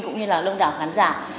cũng như là đông đảo khán giả